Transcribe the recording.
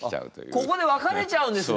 あっここで別れちゃうんですね！